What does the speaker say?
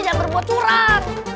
jangan berbuat curang